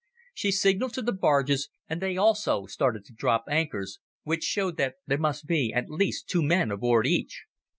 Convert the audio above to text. She signalled to the barges and they also started to drop anchors, which showed that there must be at least two men aboard each.